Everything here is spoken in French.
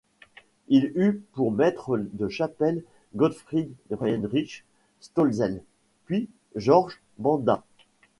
Il eût pour maître de chapelle Gottfried Heinrich Stölzel puis Georg Benda.